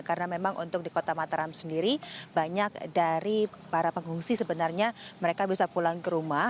karena memang untuk di kota mataram sendiri banyak dari para pengungsi sebenarnya mereka bisa pulang ke rumah